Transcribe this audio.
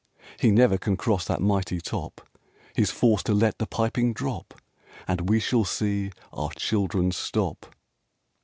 "He never can cross that mighty top! He's forced to let the piping drop, And we shall see our children stop!"